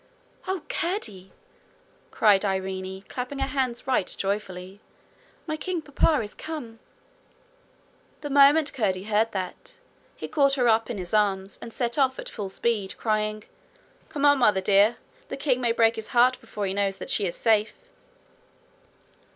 'Oh, Curdie!' cried Irene, clapping her hands right joyfully,'my king papa is come.' The moment Curdie heard that, he caught her up in his arms, and set off at full speed, crying: 'Come on, mother dear! The king may break his heart before he knows that she is safe.'